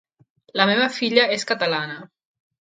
La meva filla és catalana.